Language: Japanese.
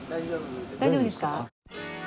大丈夫ですか？